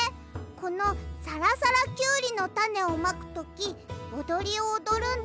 この「さらさらキュウリ」のタネをまくときおどりをおどるんだ。